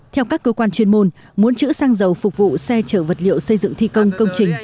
theo các cơ quan chuyên môn muốn chữ xăng dầu phục vụ xe chở vật liệu xây dựng thi công công trình